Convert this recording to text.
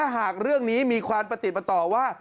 หากเรื่องนี้มีความปฏิบต่อว่า